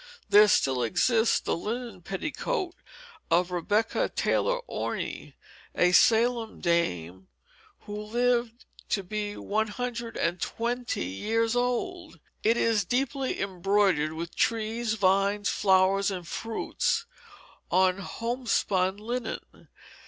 There still exists the linen petticoat of Rebecca Taylor Orne, a Salem dame who lived to be one hundred and twenty years old. It is deeply embroidered with trees, vines, flowers, and fruits, on homespun linen.